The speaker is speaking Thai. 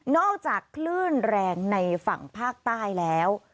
อกจากคลื่นแรงในฝั่งภาคใต้แล้ว